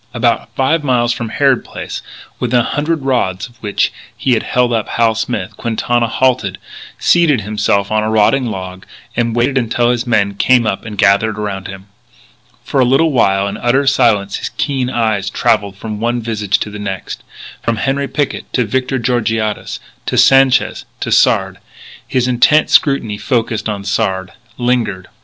About five miles from Harrod Place, within a hundred rods of which he had held up Hal Smith, Quintana halted, seated himself on a rotting log, and waited until his men came up and gathered around him. For a little while, in utter silence, his keen eyes travelled from one visage to the next, from Henri Picquet to Victor Georgiades, to Sanchez, to Sard. His intent scrutiny focussed on Sard; lingered.